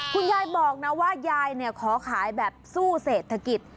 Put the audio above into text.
คุณยายบอกนะว่ายายขอขายแบบสู้เศรษฐกิจ